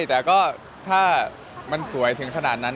แต่ก็ถ้ามันสวยถึงขนาดนั้น